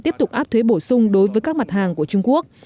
tiếp tục áp thuế bổ sung đối với các mặt hàng của trung quốc